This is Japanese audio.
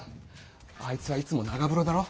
あいつはいつも長風呂だろ？